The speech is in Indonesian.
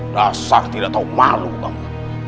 rasa tidak tahu malu kamu